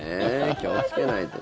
気をつけないと。